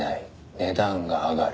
値段が上がる。